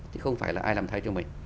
thì không phải là ai làm thay cho mình